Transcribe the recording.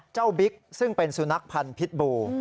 บิ๊กซึ่งเป็นสุนัขพันธ์พิษบู